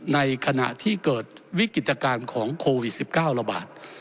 ในขณะที่เกิดวิกฤตการณ์ของโควิด๑๙ระบาด